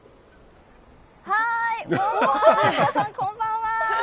皆さん、こんばんは。